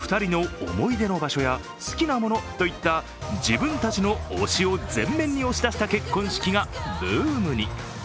実は今、２人の思い出の場所や好きなものといった自分たちの推しを前面に押し出した結婚式がブームに。